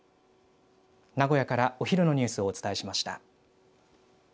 名古屋からお昼のニュースをお伝えしました。